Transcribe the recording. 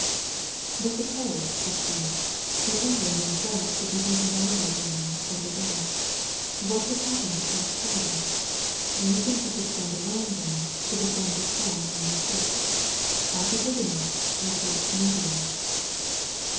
"But suppose, Iside, that England and France should be beaten down by Germany, over there, ^^at would happen to French Canada? Do you think you could stand alone then, to defend your home and your church? Are you big enough, you French Canadians